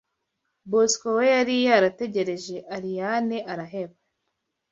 Bosco we yari yarategereje Aliyane araheba